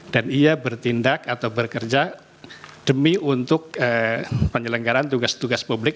dan ia bertindak atau bekerja demi untuk penyelenggaran tugas tugas publik